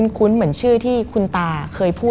มันกลายเป็นรูปของคนที่กำลังขโมยคิ้วแล้วก็ร้องไห้อยู่